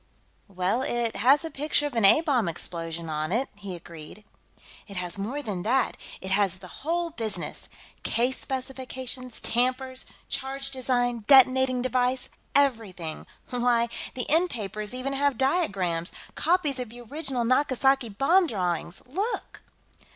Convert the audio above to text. "Well, it has a picture of an A bomb explosion on it," he agreed. "It has more than that; it has the whole business. Case specifications, tampers, charge design, detonating device, everything. Why, the end papers even have diagrams, copies of the original Nagasaki bomb drawings. Look."